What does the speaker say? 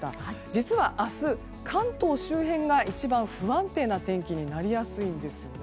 実は、明日関東周辺が一番不安定な天気になりやすいんです。